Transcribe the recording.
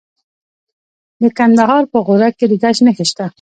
د کندهار په غورک کې د ګچ نښې شته.